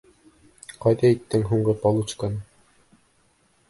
Ҡайҙа иттең һуңғы получканы?